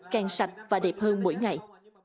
kết hợp mỗi ngày